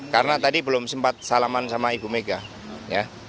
karena tadi belum sempat salaman sama ibu mega ya